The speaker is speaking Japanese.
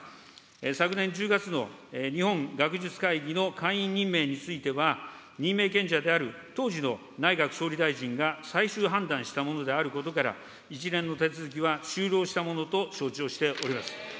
昨年１０月の日本学術会議の会員任命については、任命権者である当時の内閣総理大臣が最終判断したものであることから、一連の手続きは終了したものと承知をしております。